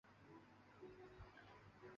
首府苏博蒂察。